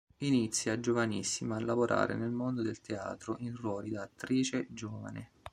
Inizia giovanissima a lavorare nel mondo del teatro in ruoli da attrice giovane.